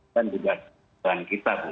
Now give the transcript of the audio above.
dan juga perusahaan kita bu